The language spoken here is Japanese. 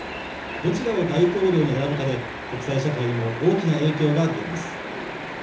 どちらを大統領に選ぶかで、国際社会にも大きな影響が出ます。